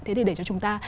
thế thì để cho chúng ta